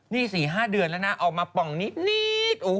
นี่๔๕เดือนแล้วนะออกมาป่องนิด